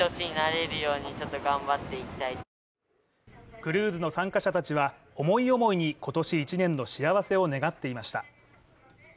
クルーズの参加者たちは、思い思いに今年１年の幸せを願っていました。